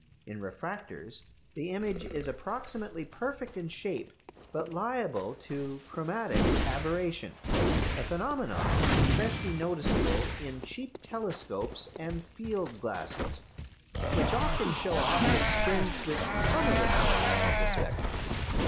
In refractors the image is approximately perfect in shape, but liable to "chromatic aberration," a phenomenon especially noticeable in cheap telescopes and field glasses, which often show objects fringed with some of the colours of the spectrum.